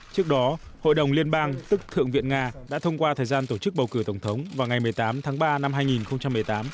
trước đó hội đồng liên bang tức thượng viện nga đã thông qua thời gian tổ chức bầu cử tổng thống vào ngày một mươi tám tháng ba năm hai nghìn một mươi tám